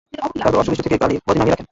তারপর অশ্বপৃষ্ঠ থেকে গদি নামিয়ে রাখেন।